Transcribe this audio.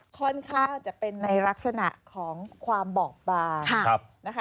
ค่อนข้างจะเป็นในลักษณะของความบอกบางนะคะ